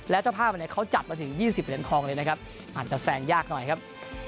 แล้วเจ้าภาพเขาจับละถึง๒๐คลองเลยนะครับอาจจะแซงยากหน่อยครับ